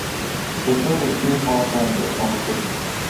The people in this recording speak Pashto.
پسه د شپې خوا ته بېغمه ګرځي.